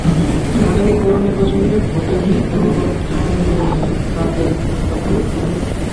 আগামী পৌর নির্বাচনে ভোটের দিন জনগণ জান লড়িয়ে তাদের অধিকার প্রয়োগ করবে।